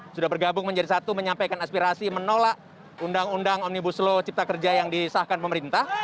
sudah bergabung menjadi satu menyampaikan aspirasi menolak undang undang omnibus law cipta kerja yang disahkan pemerintah